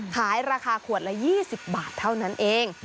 ขายราคาขวดละ๒๐บาทเท่านั้นเอง